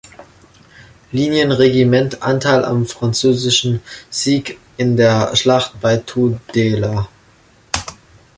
Linienregiment Anteil am französischen Sieg in der Schlacht bei Tudela.